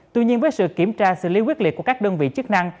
tuy nhiên với sự kiểm tra xử lý quyết liệt của các đơn vị chức năng